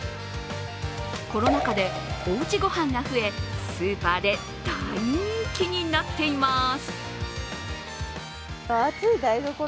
コロナ禍でおうちごはんが増え、スーパーで大人気になっています。